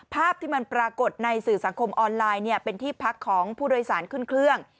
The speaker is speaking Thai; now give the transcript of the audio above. ภาพที่มันปรากฏในสื่อสังคมออนไลน์เป็นที่พักของผู้โดยสารขึ้นเครื่อง